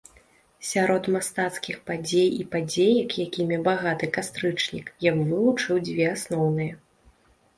Сярод мастацкіх падзей і падзеек, якімі багаты кастрычнік, я б вылучыў дзве асноўныя.